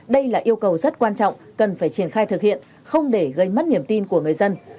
đây là yêu cầu rất quan trọng cần phải triển khai thực hiện không để gây mất niềm tin của người dân